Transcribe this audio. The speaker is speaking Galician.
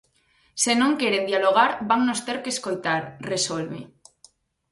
"Se non queren dialogar, vannos ter que escoitar", resolve.